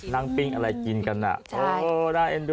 นั่งปิ้งอะไรกินกันอ่ะโอ้น่าเอ็นดู